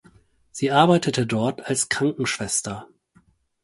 Sie arbeitete dort als Krankenschwester.